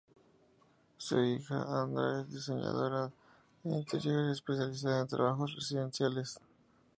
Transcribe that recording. Su hija Andra es diseñadora de interiores especializada en trabajos residenciales.